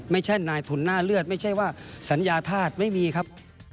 ไม่ใช่นายทุนหน้าเลือดไม่ใช่ว่าสัญญาธาตุไม่มีครับ